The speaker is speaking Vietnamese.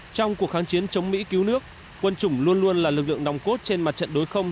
trong cuộc kháng chiến chống mỹ cứu nước quân chủng luôn luôn là lực lượng nòng cốt trên mặt trận đối